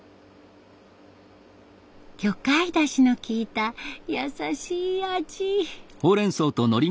魚介だしのきいたやさしい味。